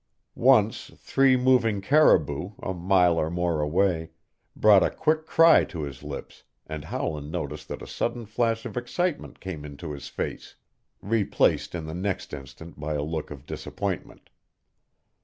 Once three moving caribou, a mile or more away, brought a quick cry to his lips and Howland noticed that a sudden flush of excitement came into his face, replaced in the next instant by a look of disappointment.